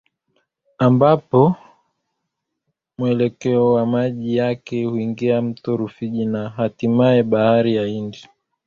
ambalo mwelekeo wa maji yake huingia Mto Rufiji na hatimaye Bahari ya Hindi